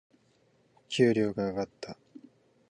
給料が上がった。